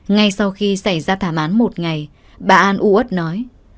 ngay sau khi xảy ra thảm án một ngày bà an ú ất nói